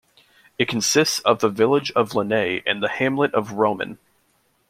It consists of the village of Lonay and the hamlet of Roman.